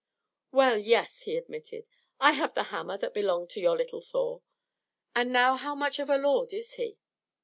"Well, yes," he admitted. "I have the hammer that belonged to your little Thor; and now how much of & lord is he?"